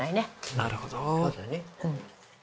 なるほど。